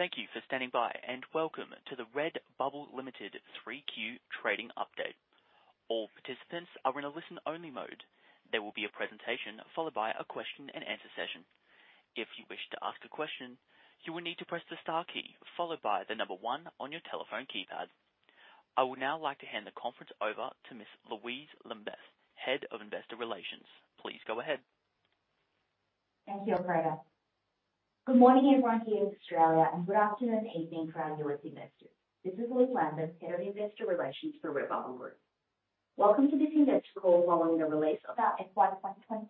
Thank you for standing by, and welcome to the Redbubble Limited 3Q Trading Update. All participants are in a listen-only mode. There will be a presentation followed by a question-and-answer session. If you wish to ask a question, you will need to press the star key followed by the number one on your telephone keypad. I would now like to hand the conference over to Ms. Louise Lambeth, Head of Investor Relations. Please go ahead. Thank you, operator. Good morning, everyone, here in Australia, and good afternoon, evening for our U.S. investors. This is Louise Lambeth, Head of Investor Relations for Redbubble Group. Welcome to this investor call following the release of our FY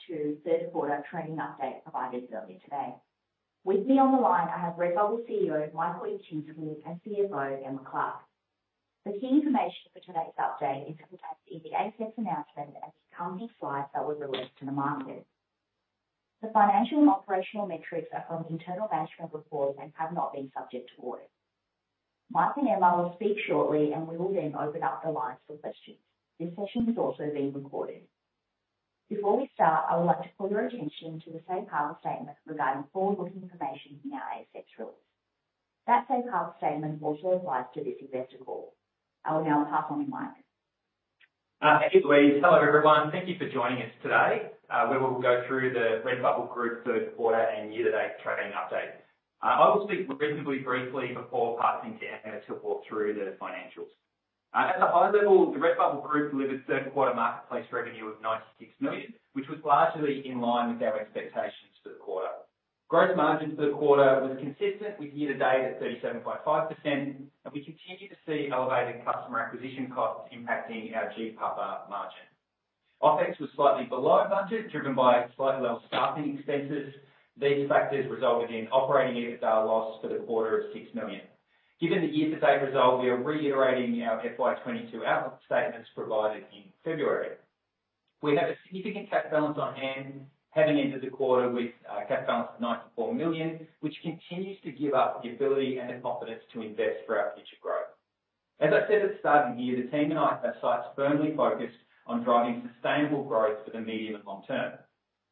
2022 third quarter trading update provided earlier today. With me on the line, I have Redbubble CEO, Michael Ilczynski, and CFO, Emma Clark. The key information for today's update is contained in the ASX announcement and accompanying slides that were released to the market. The financial and operational metrics are from internal management reports and have not been subject to audit. Mike and Emma will speak shortly, and we will then open up the lines for questions. This session is also being recorded. Before we start, I would like to call your attention to the safe harbor statement regarding forward-looking information in our ASX release. That safe harbor statement also applies to this investor call. I will now pass on to Mike. Thank you, Louise. Hello, everyone. Thank you for joining us today, where we'll go through the Redbubble Group third quarter and year-to-date trading update. I will speak reasonably briefly before passing to Emma to walk through the financials. At a high level, the Redbubble Group delivered third quarter marketplace revenue of 96 million, which was largely in line with our expectations for the quarter. Gross margin for the quarter was consistent with year-to-date at 37.5%, and we continue to see elevated customer acquisition costs impacting our GPAPA margin. OpEx was slightly below budget, driven by slightly lower staffing expenses. These factors resulted in operating EBITDA loss for the quarter of 6 million. Given the year-to-date result, we are reiterating our FY 2022 outlook statements provided in February. We have a significant cash balance on hand, having ended the quarter with cash balance of 94 million, which continues to give us the ability and the confidence to invest for our future growth. As I said at the start of the year, the team and I have sights firmly focused on driving sustainable growth for the medium and long term.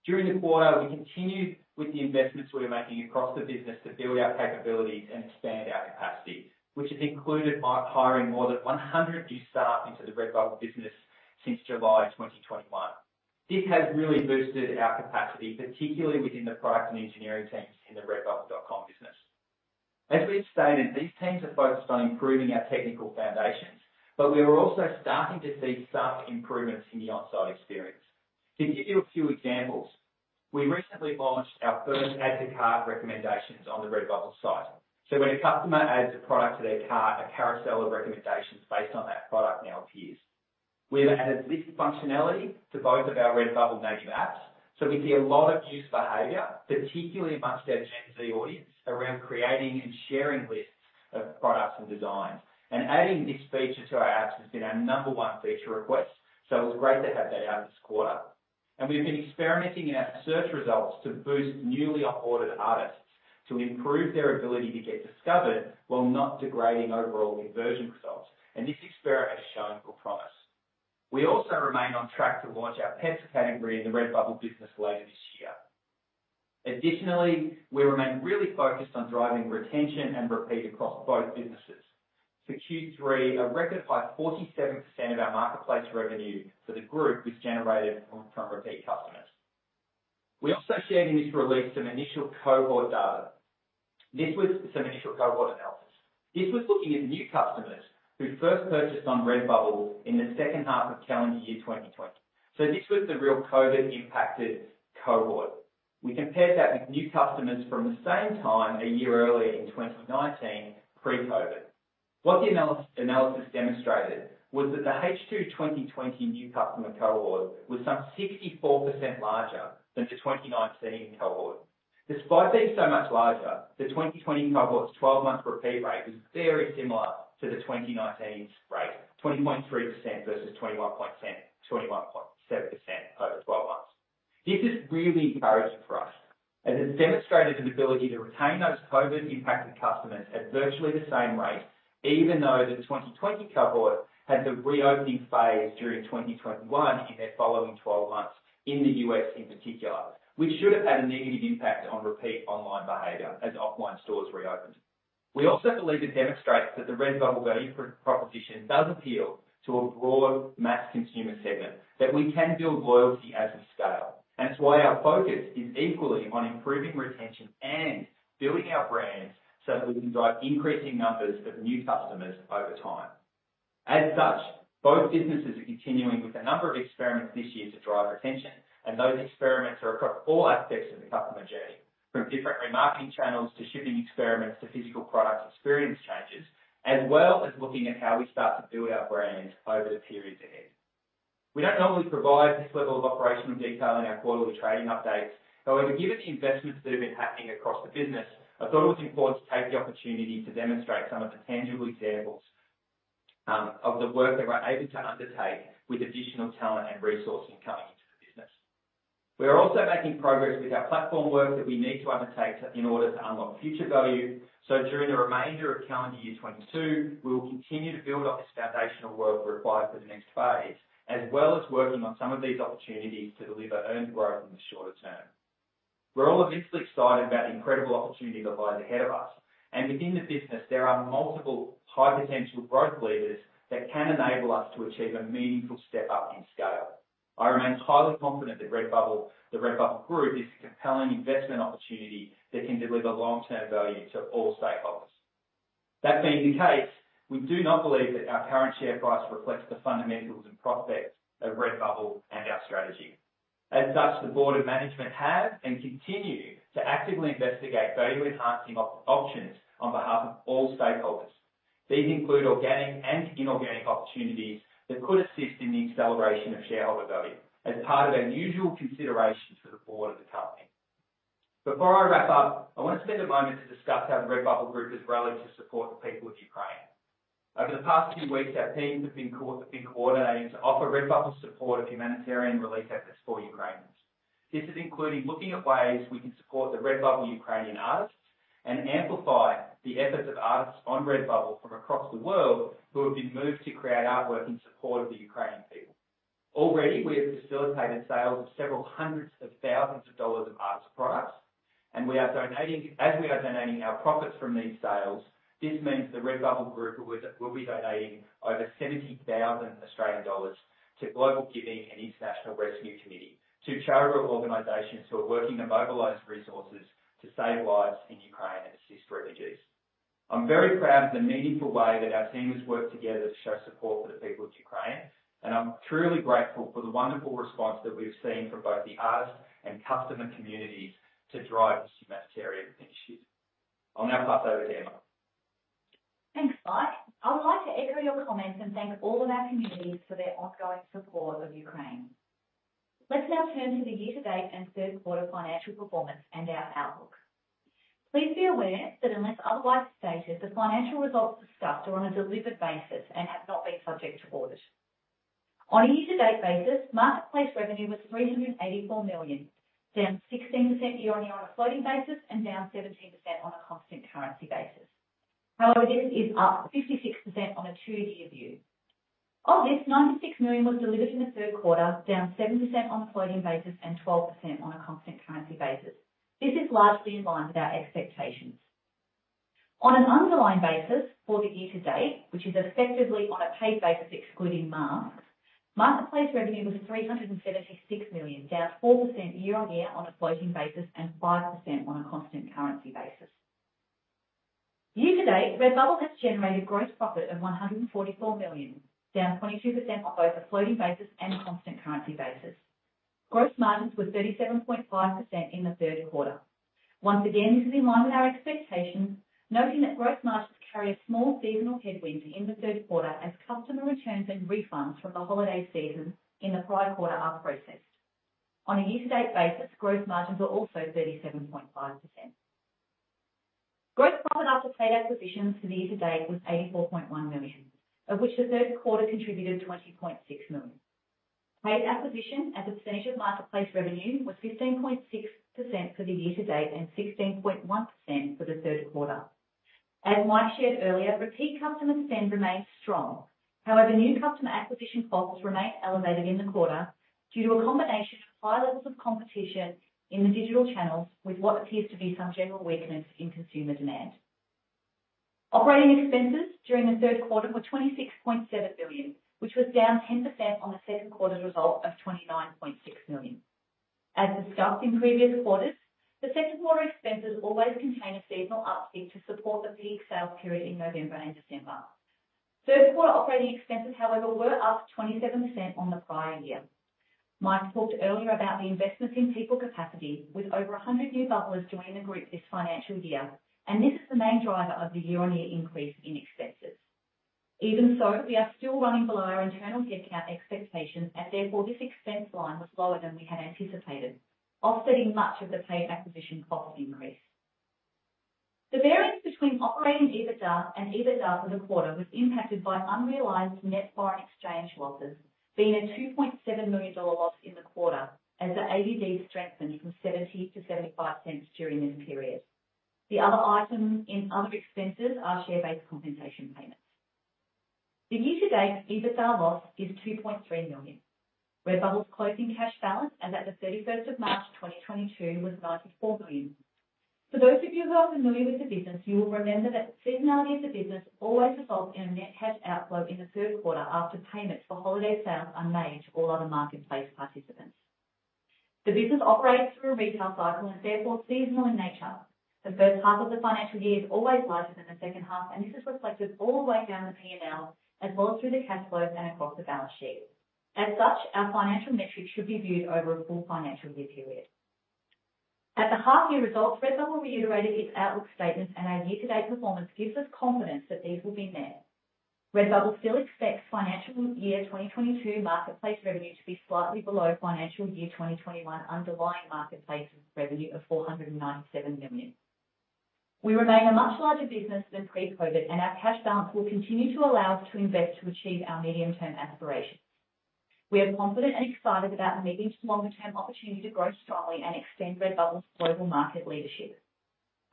During the quarter, we continued with the investments we are making across the business to build our capabilities and expand our capacity, which has included hiring more than 100 new staff into the Redbubble business since July 2021. This has really boosted our capacity, particularly within the product and engineering teams in the redbubble.com business. As we've stated, these teams are focused on improving our technical foundations, but we are also starting to see some improvements in the on-site experience. To give you a few examples, we recently launched our first add-to-cart recommendations on the Redbubble site. When a customer adds a product to their cart, a carousel of recommendations based on that product now appears. We've added list functionality to both of our Redbubble native apps, so we see a lot of use behavior, particularly among our Gen Z audience, around creating and sharing lists of products and designs. Adding this feature to our apps has been our number one feature request, so it was great to have that out this quarter. We've been experimenting in our search results to boost newly onboarded artists to improve their ability to get discovered while not degrading overall conversion results. This experiment is showing good promise. We also remain on track to launch our pets category in the Redbubble business later this year. Additionally, we remain really focused on driving retention and repeat across both businesses. For Q3, a record high 47% of our marketplace revenue for the group was generated from repeat customers. We also shared in this release some initial cohort data. This was some initial cohort analysis. This was looking at new customers who first purchased on Redbubble in the second half of calendar year 2020. So this was the real COVID-impacted cohort. We compared that with new customers from the same time a year earlier in 2019, pre-COVID. What the analysis demonstrated was that the H2 2020 new customer cohort was some 64% larger than the 2019 cohort. Despite being so much larger, the 2020 cohort's twelve-month repeat rate was very similar to the 2019's rate, 20.3% versus 21.7% over twelve months. This is really encouraging for us as it's demonstrated an ability to retain those COVID-impacted customers at virtually the same rate, even though the 2020 cohort had the reopening phase during 2021 in their following twelve months in the U.S. in particular, which should have had a negative impact on repeat online behavior as offline stores reopened. We also believe it demonstrates that the Redbubble value proposition does appeal to a broad mass consumer segment, that we can build loyalty as we scale. That's why our focus is equally on improving retention and building our brands so that we can drive increasing numbers of new customers over time. As such, both businesses are continuing with a number of experiments this year to drive retention, and those experiments are across all aspects of the customer journey, from different remarketing channels to shipping experiments to physical product experience changes, as well as looking at how we start to build our brands over the periods ahead. We don't normally provide this level of operational detail in our quarterly trading updates. However, given the investments that have been happening across the business, I thought it was important to take the opportunity to demonstrate some of the tangible examples, of the work that we're able to undertake with additional talent and resources coming into the business. We are also making progress with our platform work that we need to undertake in order to unlock future value. During the remainder of calendar year 2022, we will continue to build on this foundational work required for the next phase, as well as working on some of these opportunities to deliver earned growth in the shorter term. We're all obviously excited about the incredible opportunity that lies ahead of us. Within the business there are multiple high potential growth levers that can enable us to achieve a meaningful step up in scale. I remain highly confident that Redbubble, the Redbubble Group is a compelling investment opportunity that can deliver long-term value to all stakeholders. That being the case, we do not believe that our current share price reflects the fundamentals and prospects of Redbubble and our strategy. As such, the board of management have and continue to actively investigate value-enhancing options on behalf of all stakeholders. These include organic and inorganic opportunities that could assist in the acceleration of shareholder value as part of our usual consideration for the board of the company. Before I wrap up, I want to spend a moment to discuss how the Redbubble Group has rallied to support the people of Ukraine. Over the past few weeks, our teams have been coordinating to offer Redbubble support of humanitarian relief efforts for Ukrainians. This is including looking at ways we can support the Redbubble Ukrainian artists and amplify the efforts of artists on Redbubble from across the world who have been moved to create artwork in support of the Ukrainian people. Already, we have facilitated sales of several hundred thousand dollars of artist products, and we are donating our profits from these sales. This means the Redbubble Group will be donating over 70,000 Australian dollars to GlobalGiving and International Rescue Committee to charitable organizations who are working to mobilize resources to save lives in Ukraine and assist refugees. I'm very proud of the meaningful way that our teams work together to show support for the people of Ukraine, and I'm truly grateful for the wonderful response that we've seen from both the artists and customer communities to drive this humanitarian initiative. I'll now pass over to Emma. Thanks, Mike. I would like to echo your comments and thank all of our communities for their ongoing support of Ukraine. Let's now turn to the year-to-date and third quarter financial performance and our outlook. Please be aware that unless otherwise stated, the financial results discussed are on a delivered basis and have not been subject to audit. On a year-to-date basis, marketplace revenue was 384 million, down 16% year-on-year on a floating basis and down 17% on a constant currency basis. However, this is up 56% on a two-year view. Of this, 96 million was delivered in the third quarter, down 7% on a floating basis and 12% on a constant currency basis. This is largely in line with our expectations. On an underlying basis for the year-to-date, which is effectively on a paid basis excluding masks, marketplace revenue was 376 million, down 4% year-on-year on a floating basis and 5% on a constant currency basis. Year-to-date, Redbubble has generated gross profit of 144 million, down 22% on both a floating basis and constant currency basis. Gross margins were 37.5% in the third quarter. Once again, this is in line with our expectations, noting that gross margins carry a small seasonal headwind in the third quarter as customer returns and refunds from the holiday season in the prior quarter are processed. On a year-to-date basis, gross margins were also 37.5%. Gross profit after paid acquisitions for the year-to-date was 84.1 million, of which the third quarter contributed 20.6 million. Paid acquisition as a percentage of marketplace revenue was 15.6% for the year-to-date and 16.1% for the third quarter. As Mike shared earlier, repeat customer spend remains strong. However, new customer acquisition costs remain elevated in the quarter due to a combination of high levels of competition in the digital channels with what appears to be some general weakness in consumer demand. Operating expenses during the third quarter were 26.7 million, which was down 10% on the second quarter result of 29.6 million. As discussed in previous quarters, the second quarter expenses always contain a seasonal uptick to support the peak sales period in November and December. Third quarter operating expenses, however, were up 27% on the prior year. Mike talked earlier about the investments in people capacity with over 100 new Bubblers joining the group this financial year, and this is the main driver of the year-on-year increase in expenses. Even so, we are still running below our internal headcount expectations, and therefore this expense line was lower than we had anticipated, offsetting much of the paid acquisition cost increase. The variance between operating EBITDA and EBITDA for the quarter was impacted by unrealized net foreign exchange losses being a 2.7 million dollar loss in the quarter as the AUD strengthened from 70 to 75 cents during this period. The other item in other expenses are share-based compensation payments. The year-to-date EBITDA loss is 2.3 million. Redbubble's closing cash balance as at the 31st of March 2022 was 94 million. For those of you who are familiar with the business, you will remember that seasonality of the business always results in a net cash outflow in the third quarter after payments for holiday sales are made to all other marketplace participants. The business operates through a retail cycle and is therefore seasonal in nature. The first half of the financial year is always larger than the second half, and this is reflected all the way down the P&L as well as through the cash flows and across the balance sheet. As such, our financial metrics should be viewed over a full financial year period. At the half year results, Redbubble reiterated its outlook statements, and our year-to-date performance gives us confidence that these will be met. Redbubble still expects financial year 2022 marketplace revenue to be slightly below financial year 2021 underlying marketplace revenue of 497 million. We remain a much larger business than pre-COVID, and our cash balance will continue to allow us to invest to achieve our medium-term aspirations. We are confident and excited about the medium to longer term opportunity to grow strongly and extend Redbubble's global market leadership.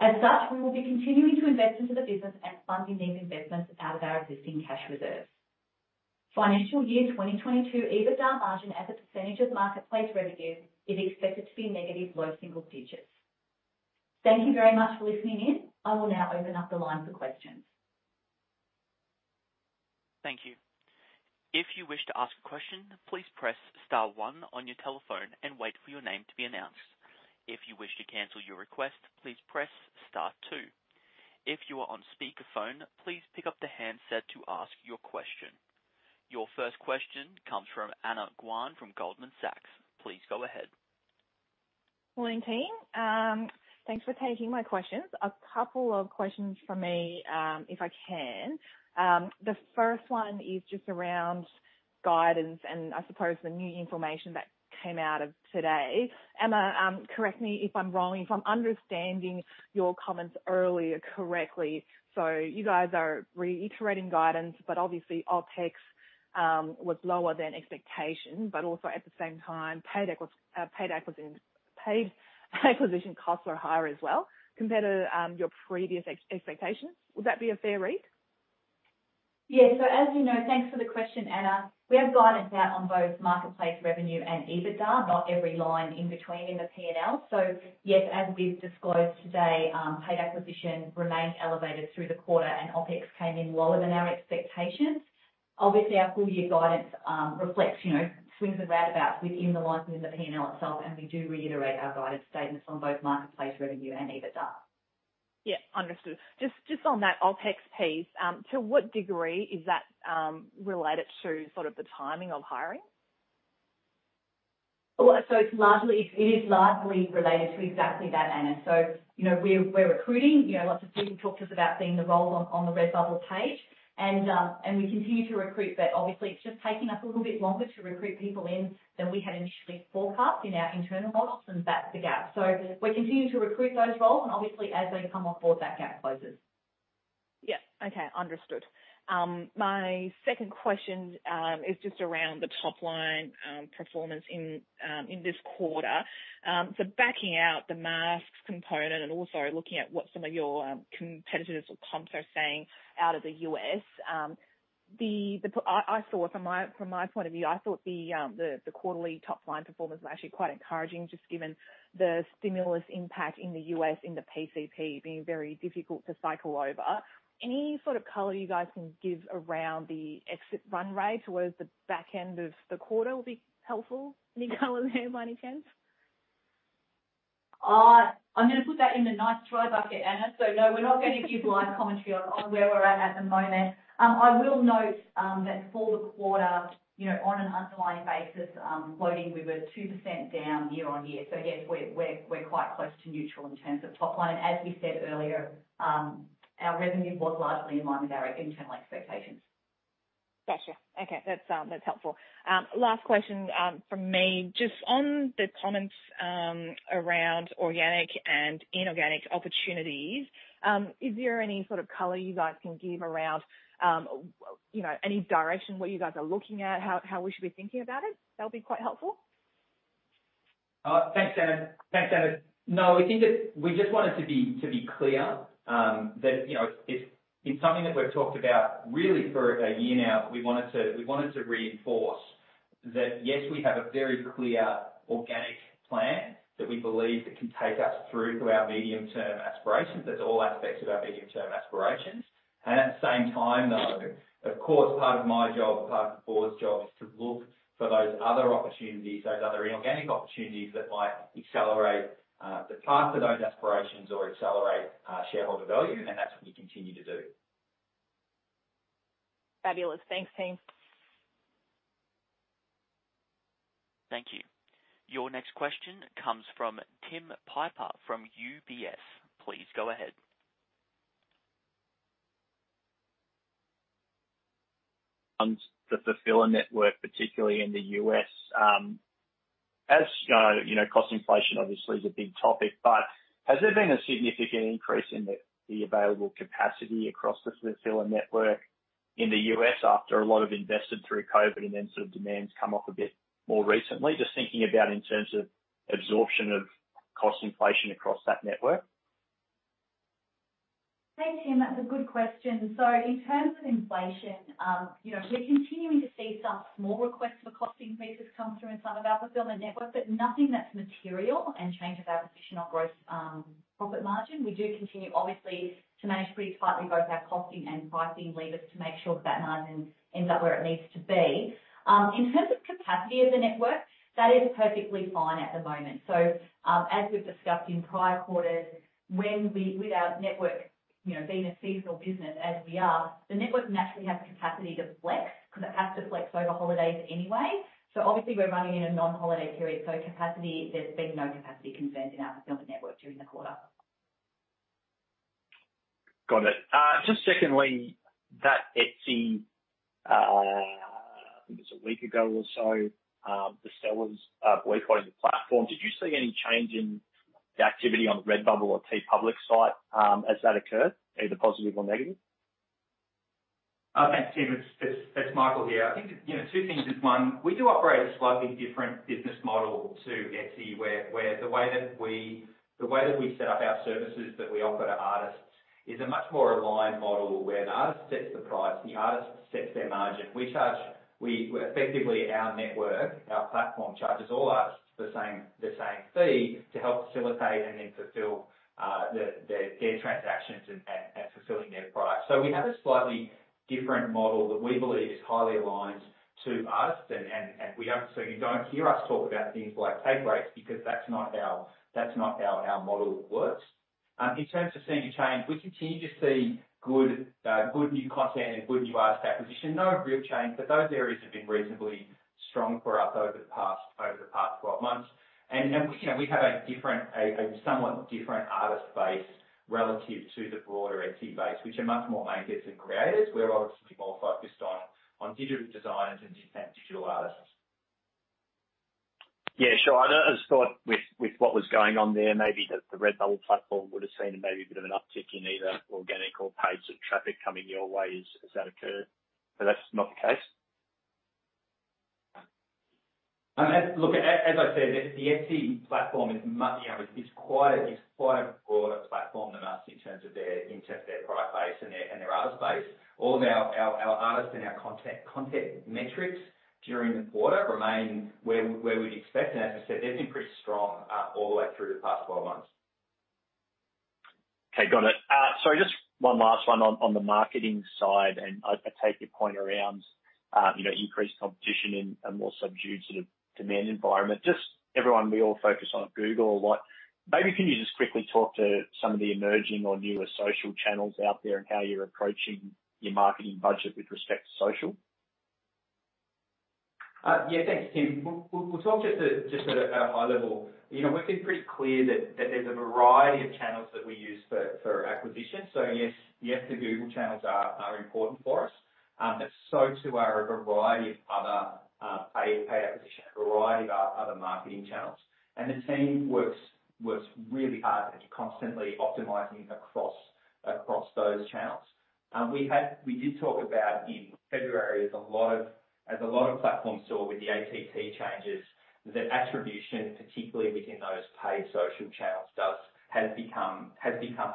As such, we will be continuing to invest into the business and funding these investments out of our existing cash reserves. Financial year 2022 EBITDA margin as a percentage of marketplace revenue is expected to be negative low single digits%. Thank you very much for listening in. I will now open up the line for questions. Thank you. If you wish to ask questions please press star one on your telephone wait for your name to be announce. If you wish to cancel your request, please press star two. If you are still on the line, please pick up the receiver and ask your question. Your first question comes from Anna Guan from Goldman Sachs. Please go ahead Morning, team. Thanks for taking my questions. A couple of questions from me, if I can. The first one is just around guidance and I suppose the new information that came out of today. Emma, correct me if I'm wrong, if I'm understanding your comments earlier correctly. You guys are reiterating guidance, but obviously, OpEx was lower than expectations, but also at the same time, paid acquisition costs were higher as well compared to your previous expectations. Would that be a fair read? Yeah. As you know, thanks for the question, Anna. We have guidance out on both marketplace revenue and EBITDA, not every line in between in the P&L. Yes, as we've disclosed today, paid acquisition remained elevated through the quarter, and OpEx came in lower than our expectations. Obviously, our full year guidance reflects, you know, swings and roundabouts within the lines in the P&L itself, and we do reiterate our guidance statements on both marketplace revenue and EBITDA. Yeah, understood. Just on that OpEx piece, to what degree is that related to sort of the timing of hiring? Well, it's largely related to exactly that, Anna. You know, we're recruiting. You know, lots of people talked to us about seeing the role on the Redbubble page and we continue to recruit. Obviously it's just taking us a little bit longer to recruit people in than we had initially forecast in our internal models and that's the gap. We're continuing to recruit those roles and obviously as they come on board that gap closes. Yeah, okay. Understood. My second question is just around the top line performance in this quarter. Backing out the masks component and also looking at what some of your competitors or comps are saying out of the U.S., I saw it from my point of view. I thought the quarterly top line performance was actually quite encouraging, just given the stimulus impact in the U.S. in the PCP being very difficult to cycle over. Any sort of color you guys can give around the exit run rate towards the back end of the quarter will be helpful. Any color there by any chance? I'm gonna put that in the nice try bucket, Anna. No, we're not going to give live commentary on where we're at the moment. I will note that for the quarter, you know, on an underlying basis, we were 2% down year-on-year. Yes, we're quite close to neutral in terms of top line. As we said earlier, our revenue was largely in line with our internal expectations. Gotcha. Okay. That's helpful. Last question from me. Just on the comments around organic and inorganic opportunities, is there any sort of color you guys can give around, you know, any direction where you guys are looking at, how we should be thinking about it? That'll be quite helpful. Thanks, Anna. No, I think it's we just wanted to be clear that, you know, it's something that we've talked about really for a year now, but we wanted to reinforce that, yes, we have a very clear organic plan that we believe that can take us through to our medium-term aspirations. That's all aspects of our medium-term aspirations. At the same time, though, of course, part of my job, part of the board's job is to look for those other opportunities, those other inorganic opportunities that might accelerate the path to those aspirations or accelerate shareholder value, and that's what we continue to do. Fabulous. Thanks, team. Thank you. Your next question comes from Tim Piper from UBS. Please go ahead. On the fulfiller network, particularly in the U.S., as you know, cost inflation obviously is a big topic, but has there been a significant increase in the available capacity across the fulfiller network in the U.S. after a lot of investment through COVID, and then sort of demands come off a bit more recently? Just thinking about in terms of absorption of cost inflation across that network. Hey, Tim. That's a good question. In terms of inflation, we're continuing to see some small requests for cost increases come through in some of our fulfillment networks, but nothing that's material and changes our position on gross profit margin. We do continue, obviously, to manage pretty tightly both our costing and pricing levers to make sure that that margin ends up where it needs to be. In terms of capacity of the network, that is perfectly fine at the moment. As we've discussed in prior quarters, with our network being a seasonal business as we are, the network naturally has capacity to flex 'cause it has to flex over holidays anyway. Obviously, we're running in a non-holiday period, capacity, there's been no capacity concerns in our fulfillment network during the quarter. Got it. Just secondly, that Etsy, I think it was a week ago or so, the sellers boycotting the platform. Did you see any change in the activity on Redbubble or TeePublic site, as that occurred, either positive or negative? Thanks, Tim. It's Michael here. I think that, you know, two things is one, we do operate a slightly different business model to Etsy where the way that we set up our services that we offer to artists is a much more aligned model where the artist sets the price, the artist sets their margin. Effectively, our network, our platform charges all artists the same fee to help facilitate and then fulfill their transactions and fulfilling their products. We have a slightly different model that we believe is highly aligned to us. You don't hear us talk about things like take rates because that's not how our model works. In terms of seeing a change, we continue to see good new content and good new artist acquisition. No real change, but those areas have been reasonably strong for us over the past 12 months. We, you know, we have a somewhat different artist base relative to the broader Etsy base, which are much more makers and creators. We're obviously more focused on digital designers and digital artists. Yeah, sure. I just thought with what was going on there, maybe the Redbubble platform would have seen maybe a bit of an uptick in either organic or paid traffic coming your way. Has that occurred? That's not the case. Look, as I said, the Etsy platform is, you know, it's quite a broader platform than us in terms of their product base and their artist base. All of our artists and our content metrics during the quarter remain where we'd expect. As I said, they've been pretty strong all the way through the past 12 months. Okay, got it. Sorry, just one last one on the marketing side, and I take your point around you know, increased competition and a more subdued sort of demand environment. Just, everyone, we all focus on Google a lot. Maybe can you just quickly talk to some of the emerging or newer social channels out there and how you're approaching your marketing budget with respect to social? Yeah. Thanks, Tim. We'll talk just at a high level. You know, we've been pretty clear that there's a variety of channels that we use for acquisition. Yes, the Google channels are important for us, but so too are a variety of other paid acquisition, a variety of other marketing channels. The team works really hard at constantly optimizing across those channels. We did talk about in February, as a lot of platforms saw with the ATT changes, that attribution, particularly within those paid social channels, has become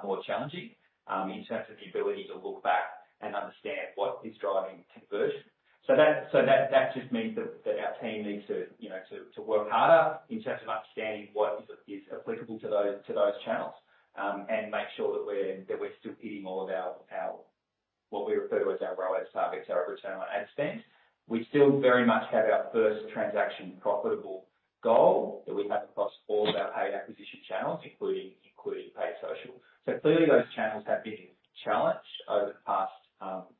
more challenging, in terms of the ability to look back and understand what is driving conversion. That just means that our team needs to, you know, work harder in terms of understanding what is applicable to those channels, and make sure that we're still hitting all of our what we refer to as our ROAS targets, our return on ad spend. We still very much have our first transaction profitable goal that we have across all of our paid acquisition channels, including paid social. Clearly those channels have been challenged over the past,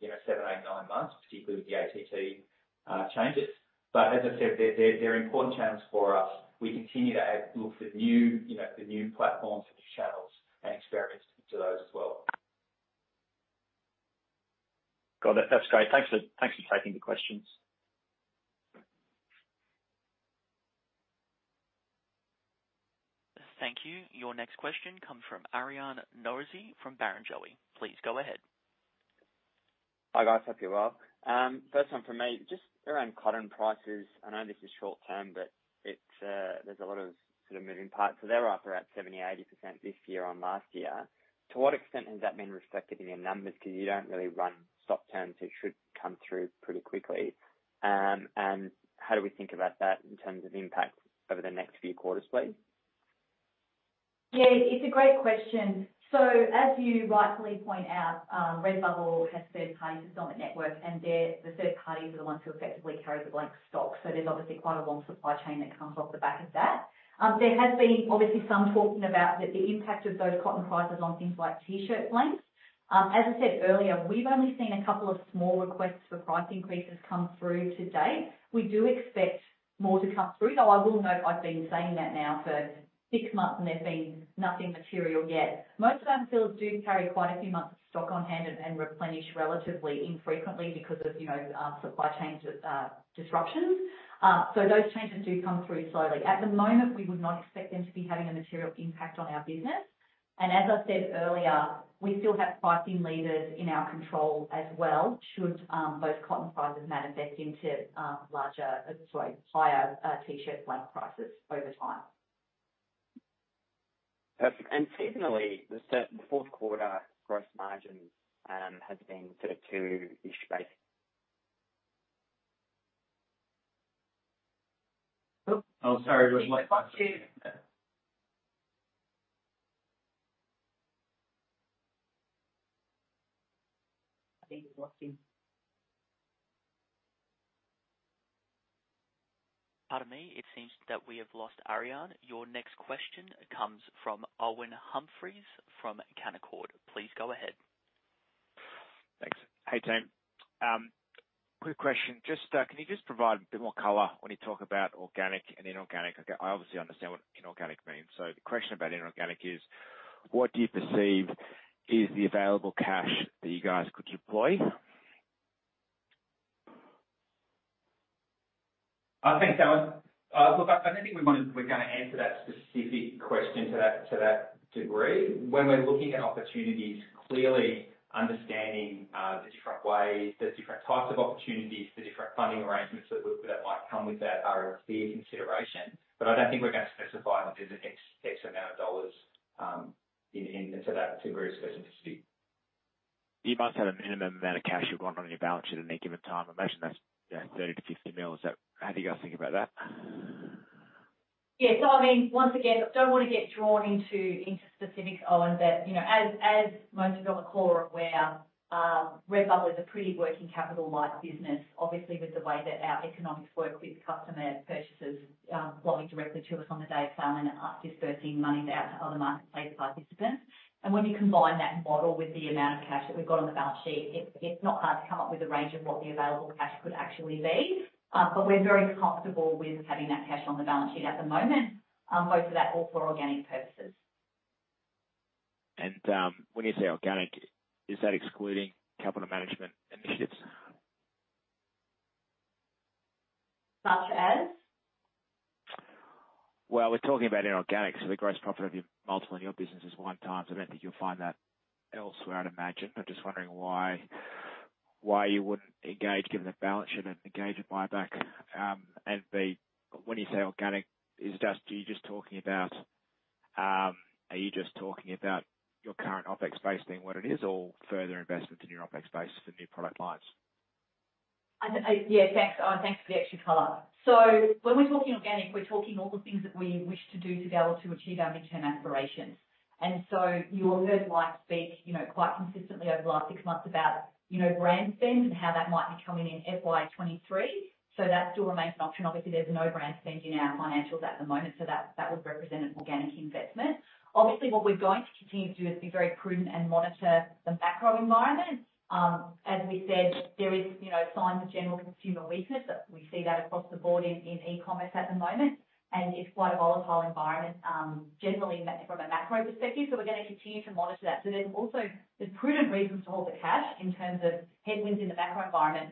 you know, 7-9 months, particularly with the ATT changes. But as I said, they're important channels for us. We continue to look for new, you know, platforms, channels and experiments to those as well. Got it. That's great. Thanks for taking the questions. Thank you. Your next question comes from Aryan Norozi from Barrenjoey. Please go ahead. Hi, guys. Hope you're well. First one from me, just around cotton prices. I know this is short term, but it's, there's a lot of sort of moving parts. They're up around 70%-80% this year on last year. To what extent has that been reflected in your numbers? 'Cause you don't really run stock turns, so it should come through pretty quickly. How do we think about that in terms of impact over the next few quarters, please? Yeah, it's a great question. As you rightly point out, Redbubble has third parties on the network, and the third parties are the ones who effectively carry the blank stock. There's obviously quite a long supply chain that comes off the back of that. There has been obviously some talking about the impact of those cotton prices on things like T-shirt blanks. As I said earlier, we've only seen a couple of small requests for price increases come through to date. We do expect more to come through, though I will note I've been saying that now for six months and there's been nothing material yet. Most of our sellers do carry quite a few months of stock on hand and replenish relatively infrequently because of, you know, supply chain disruptions. Those changes do come through slowly. At the moment, we would not expect them to be having a material impact on our business. As I said earlier, we still have pricing levers in our control as well, should those cotton prices manifest into higher T-shirt blank prices over time. Perfect. Seasonally, the fourth quarter gross margin has been sort of two [year] basis. Oh. Oh, sorry. We lost you. I think we've lost you. Pardon me. It seems that we have lost Aryan. Your next question comes from Owen Humphries from Canaccord Genuity. Please go ahead. Thanks. Hey, team. Quick question. Just, can you just provide a bit more color when you talk about organic and inorganic? Okay, I obviously understand what inorganic means. The question about inorganic is: What do you perceive is the available cash that you guys could deploy? Thanks, Owen. Look, I don't think we're gonna answer that specific question to that degree. When we're looking at opportunities, clearly understanding the different ways, the different types of opportunities, the different funding arrangements that might come with that are a clear consideration. I don't think we're gonna specify that there's an exact amount of dollars in that, to any specificity. You must have a minimum amount of cash you want on your balance sheet at any given time. I imagine that's, you know, 30 million - 50 million. Is that. How do you guys think about that? Yeah. I mean, once again, don't wanna get drawn into specifics, Owen. You know, as most of you on the call are aware, Redbubble is a pretty working capital-light business. Obviously, with the way that our economics work with customer purchases flowing directly to us on the day of sale and disbursing money to our other marketplace participants. When you combine that model with the amount of cash that we've got on the balance sheet, it's not hard to come up with a range of what the available cash could actually be. We're very comfortable with having that cash on the balance sheet at the moment, most of that all for organic purposes. When you say organic, is that excluding capital management initiatives? Such as? Well, we're talking about inorganic. The gross profit multiple in your business is 1x, so I don't think you'll find that elsewhere, I'd imagine. Just wondering why you wouldn't engage in buyback, given the balance sheet. When you say organic, are you just talking about your current OpEx base being what it is or further investment in your OpEx base for new product lines? Yeah. Thanks. Thanks for the extra color. When we're talking organic, we're talking all the things that we wish to do to be able to achieve our midterm aspirations. You will have heard Mike speak, you know, quite consistently over the last six months about, you know, brand spend and how that might be coming in FY 2023. That still remains an option. Obviously, there's no brand spend in our financials at the moment, so that would represent an organic investment. Obviously, what we're going to continue to do is be very prudent and monitor the macro environment. As we said, there is, you know, signs of general consumer weakness. We see that across the board in e-commerce at the moment, and it's quite a volatile environment, generally from a macro perspective, so we're gonna continue to monitor that. There's also there's prudent reasons to hold the cash in terms of headwinds in the macro environment.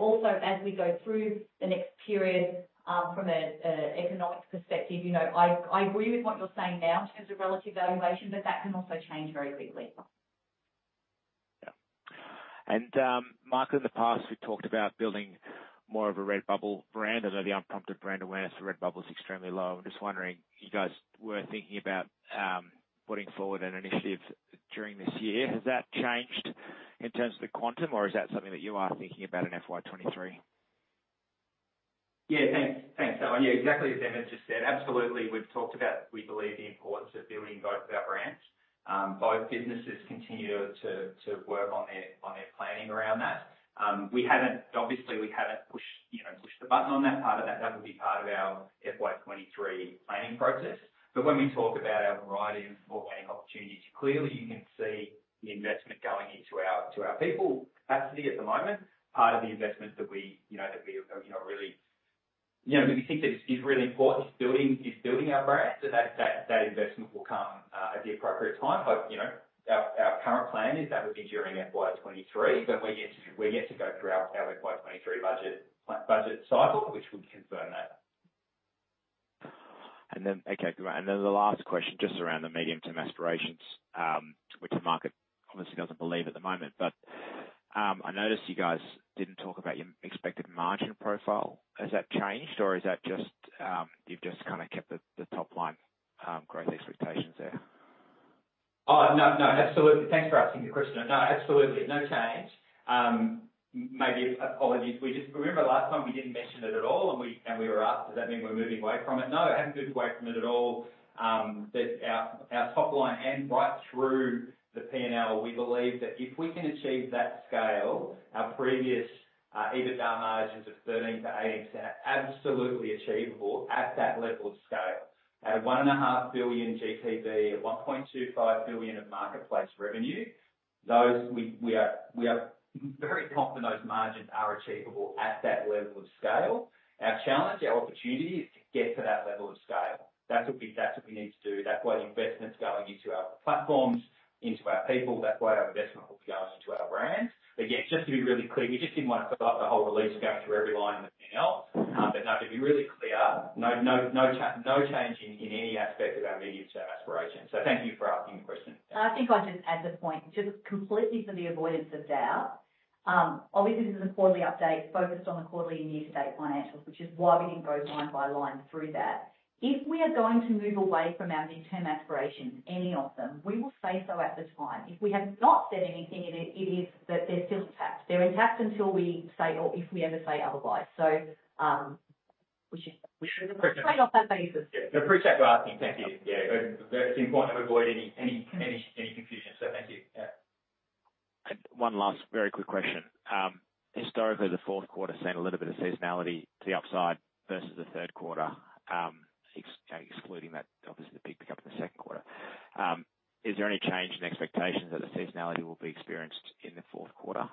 Also as we go through the next period, from a economics perspective, you know, I agree with what you're saying now in terms of relative valuation, but that can also change very quickly. Yeah, Mike, in the past, we've talked about building more of a Redbubble brand. I know the unprompted brand awareness for Redbubble is extremely low. I'm just wondering if you guys were thinking about putting forward an initiative during this year. Has that changed in terms of the quantum, or is that something that you are thinking about in FY 2023? Yeah. Thanks. Thanks, Owen. Yeah, exactly as Emma just said. Absolutely, we've talked about the importance of building both of our brands. Both businesses continue to work on their planning around that. We haven't pushed the button on that part of that. That would be part of our FY 2023 planning process. When we talk about our variety of important opportunities, clearly you can see the investment going into our people capacity at the moment. Part of the investment that we, you know, really, you know, we think that is really important is building our brand. That investment will come at the appropriate time. You know, our current plan is that would be during FY 2023, but we're yet to go through our FY 2023 budget cycle, which would confirm that. The last question, just around the medium-term aspirations, which the market obviously doesn't believe at the moment. I noticed you guys didn't talk about your expected margin profile. Has that changed, or is that just you've just kinda kept the top line growth expectations there? Oh, no, absolutely. Thanks for asking the question. No, absolutely. No change. Maybe apologies. Remember last time we didn't mention it at all and we were asked, "Does that mean we're moving away from it?" No, we haven't moved away from it at all. But our top line and right through the P&L, we believe that if we can achieve that scale, our previous EBITDA margins of 13%-18% are absolutely achievable at that level of scale. At 1.5 billion GTV, at 1.25 billion of marketplace revenue, we are very confident those margins are achievable at that level of scale. Our challenge, our opportunity is to get to that level of scale. That's what we need to do. That's why the investment's going into our platforms, into our people. That's why our investment will be going into our brand. Yeah, just to be really clear, we just didn't wanna fill up the whole release going through every line in the P&L. To be really clear, no change in any aspect of our medium-term aspirations. Thank you for asking the question. I think I'll just add this point, just completely for the avoidance of doubt. Obviously, this is a quarterly update focused on the quarterly and year-to-date financials, which is why we didn't go line by line through that. If we are going to move away from our midterm aspirations, any of them, we will say so at the time. If we have not said anything, it is that they're still intact. They're intact until we say or if we ever say otherwise. We should explain on that basis. Yeah. I appreciate you asking. Thank you. Yeah. It's important to avoid any confusion. Thank you. Yeah. One last very quick question. Historically, the fourth quarter has seen a little bit of seasonality to the upside versus the third quarter, excluding that, obviously, the big pickup in the second quarter. Is there any change in expectations that the seasonality will be experienced in the fourth quarter?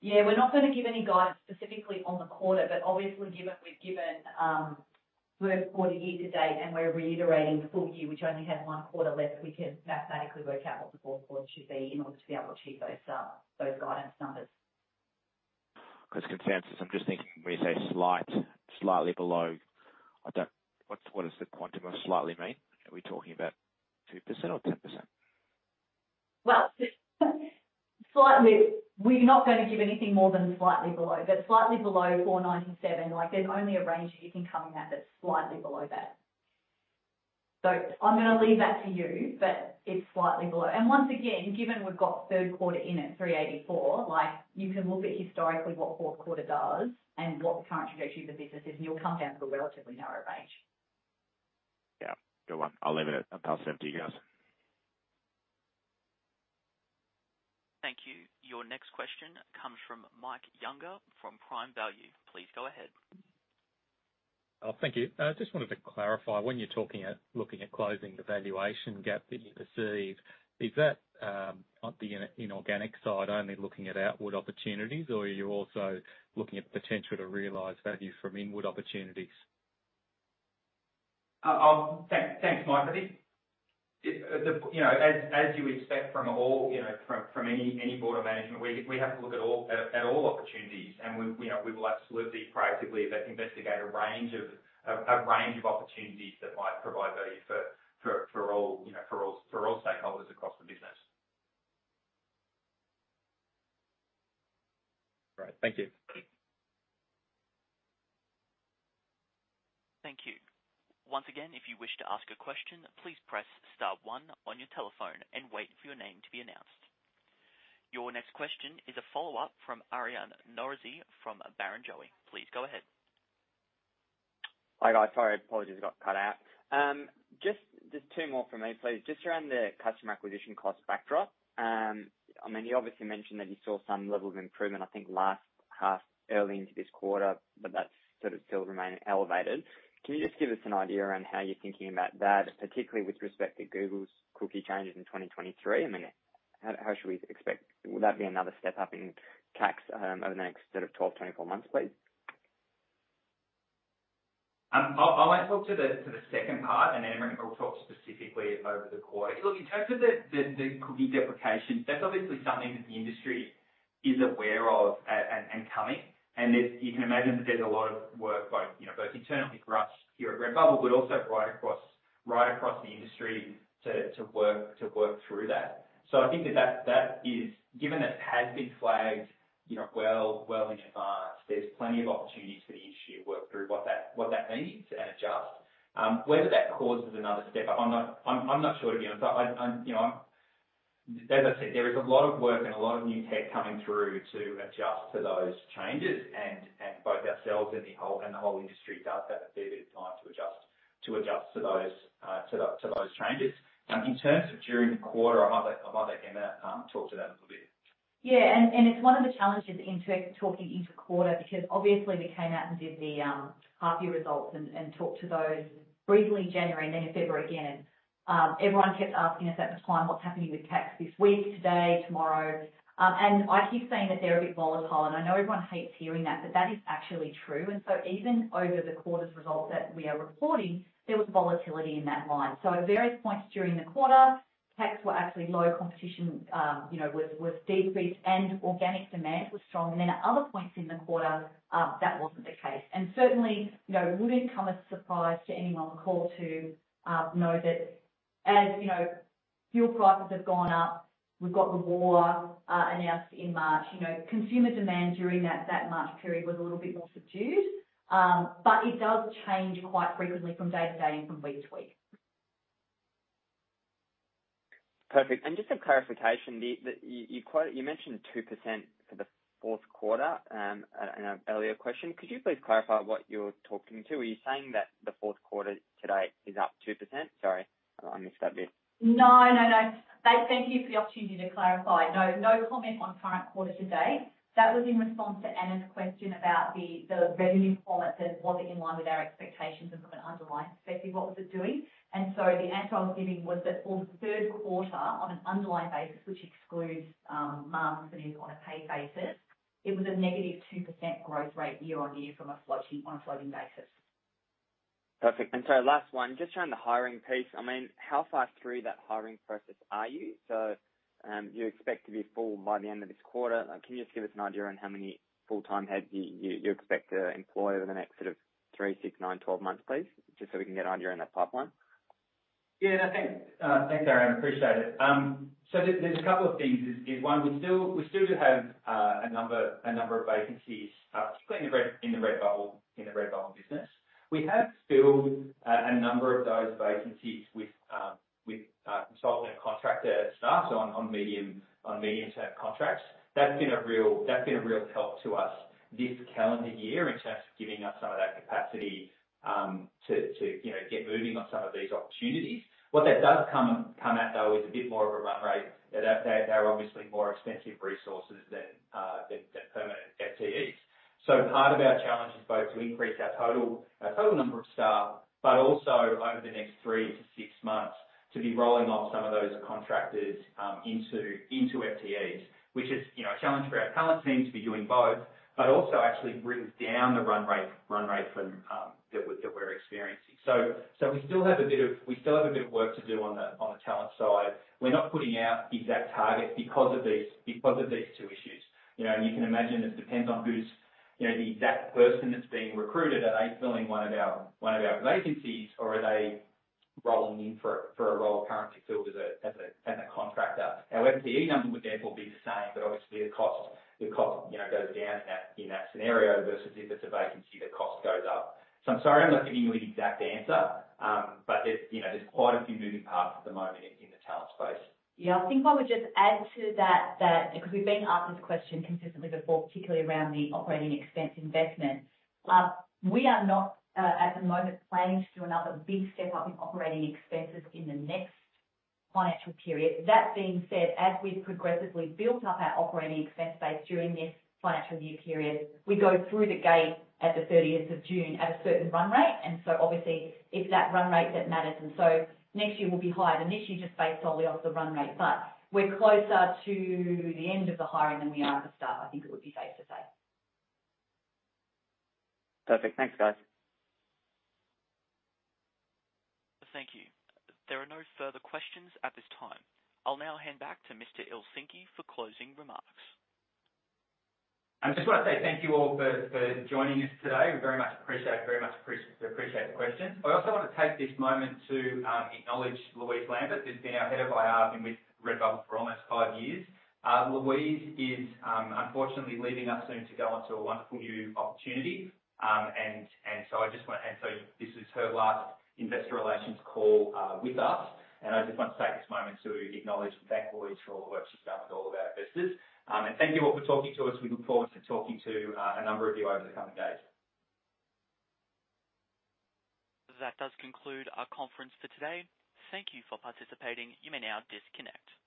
Yeah. We're not gonna give any guidance specifically on the quarter, but obviously, given we've given third quarter year to date, and we're reiterating full year, which only has one quarter left. We can mathematically work out what the fourth quarter should be in order to be able to achieve those guidance numbers. 'Cause consensus, I'm just thinking when you say slight, slightly below, I don't. What does the quantum of slightly mean? Are we talking about 2% or 10%? Well, slightly. We're not gonna give anything more than slightly below. Slightly below 497. Like, there's only a range that you can come in at that's slightly below that. I'm gonna leave that to you, but it's slightly below. Once again, given we've got third quarter in at 384, like, you can look at historically what fourth quarter does and what the current trajectory of the business is, and you'll come down to a relatively narrow range. Yeah. Good one. I'll leave it. I'll pass that to you guys. Thank you. Your next question comes from Mike Younger from Prime Value. Please go ahead. Oh, thank you. I just wanted to clarify, when you're talking looking at closing the valuation gap that you perceive, is that, on the inorganic side only looking at outward opportunities, or are you also looking at potential to realize value from inward opportunities? Thanks, Mike. I think, you know, as you would expect from any board or management, we have to look at all opportunities. We will absolutely proactively investigate a range of opportunities that might provide value for all, you know, for all stakeholders across the business. All right. Thank you. Thank you. Once again, if you wish to ask a question, please press star one on your telephone and wait for your name to be announced. Your next question is a follow-up from Aryan Norozi from Barrenjoey. Please go ahead. Hi, guys. Sorry, apologies, I got cut out. Just two more from me, please. Just around the customer acquisition cost backdrop. I mean, you obviously mentioned that you saw some level of improvement, I think last half early into this quarter, but that's sort of still remaining elevated. Can you just give us an idea around how you're thinking about that, particularly with respect to Google's cookie changes in 2023? I mean, how should we expect? Will that be another step up in CAC over the next sort of 12, 24 months, please? I'll talk to the second part, and then Emma will talk specifically over the quarter. Look, in terms of the cookie deprecation, that's obviously something that the industry is aware of, and coming. You can imagine that there's a lot of work, both, you know, internally for us here at Redbubble, but also right across the industry to work through that. I think that is. Given that it has been flagged, you know, well in advance, there's plenty of opportunities for the industry to work through what that means and adjust. Whether that causes another step up, I'm not sure, to be honest. I'm, you know, as I said, there is a lot of work and a lot of new tech coming through to adjust to those changes. Both ourselves and the whole industry does have a fair bit of time to adjust to those changes. In terms of during the quarter, I might let Emma talk to that a little bit. It's one of the challenges in talking interquarter, because obviously we came out and did the half year results and talked to those briefly in January and then in February again. Everyone kept asking us at the time, "What's happening with CAC this week, today, tomorrow?" I keep saying that they're a bit volatile, and I know everyone hates hearing that, but that is actually true. Even over the quarter's results that we are reporting, there was volatility in that line. At various points during the quarter, CACs were actually low, competition, you know, was decreased and organic demand was strong. At other points in the quarter, that wasn't the case. Certainly, you know, it wouldn't come as a surprise to anyone on the call to know that as, you know, fuel prices have gone up, we've got the war announced in March, you know, consumer demand during that March period was a little bit more subdued. But it does change quite frequently from day to day and from week to week. Perfect. Just for clarification, you mentioned 2% for the fourth quarter in an earlier question. Could you please clarify what you're talking about? Are you saying that the fourth quarter to date is up 2%? Sorry if I missed that bit. No. Thank you for the opportunity to clarify. No comment on current quarter to date. That was in response to Anna's question about the revenue quality, was it in line with our expectations and from an underlying perspective, what was it doing? The answer I was giving was that for the third quarter, on an underlying basis, which excludes marks and earnings on a paid basis, it was a negative 2% growth rate year-on-year on a flowing basis. Perfect. Last one, just around the hiring piece. I mean, how far through that hiring process are you? You expect to be full by the end of this quarter. Can you just give us an idea on how many full-time heads you expect to employ over the next sort of 3, 6, 9, 12 months, please? Just so we can get an idea on that pipeline. Thanks, Aryan. Appreciate it. There's a couple of things. There's one, we still do have a number of vacancies, particularly in the Redbubble business. We have filled a number of those vacancies with consultant and contractor staff, so on medium-term contracts. That's been a real help to us this calendar year in terms of giving us some of that capacity to you know, get moving on some of these opportunities. What that does come at though, is a bit more of a run rate. They're obviously more expensive resources than permanent FTEs. Part of our challenge is both to increase our total number of staff, but also over the next three to six months to be rolling off some of those contractors into FTEs, which is, you know, a challenge for our talent team to be doing both. Also actually brings down the run rate from that we're experiencing. We still have a bit of work to do on the talent side. We're not putting out exact targets because of these two issues. You know, and you can imagine this depends on who's, you know, the exact person that's being recruited. Are they filling one of our vacancies, or are they rolling in for a role currently filled as a contractor? Our FTE number would therefore be the same, but obviously the cost, you know, goes down in that scenario versus if it's a vacancy, the cost goes up. I'm sorry I'm not giving you an exact answer, but you know, there's quite a few moving parts at the moment in the talent space. Yeah. I think what I would just add to that because we've been asked this question consistently before, particularly around the operating expense investment. We are not at the moment planning to do another big step up in operating expenses in the next financial period. That being said, as we've progressively built up our operating expense base during this financial year period, we go through the gate at the thirtieth of June at a certain run rate. Obviously it's that run rate that matters. Next year will be higher than this year, just based solely off the run rate. We're closer to the end of the hiring than we are at the start, I think it would be safe to say. Perfect. Thanks, guys. Thank you. There are no further questions at this time. I'll now hand back to Mr. Ilczynski for closing remarks. I just want to say thank you all for joining us today. We very much appreciate the questions. I also want to take this moment to acknowledge Louise Lambeth, who's been our Head of IR and with Redbubble for almost five years. Louise is unfortunately leaving us soon to go on to a wonderful new opportunity. This is her last Investor Relations call with us, and I just want to take this moment to acknowledge and thank Louise for all the work she's done with all of our investors. Thank you all for talking to us. We look forward to talking to a number of you over the coming days. That does conclude our conference for today. Thank you for participating. You may now disconnect.